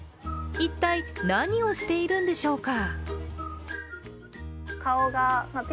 一体、何をしているんでしょうか。